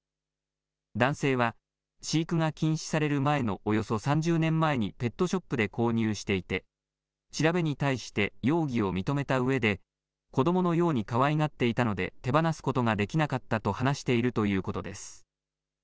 男性は飼育が禁止される前のおよそ３０年前にペットショップで購入していて調べに対して容疑を認めたうえで子どものようにかわいがっていたので手放すことができなかったと話しているということです。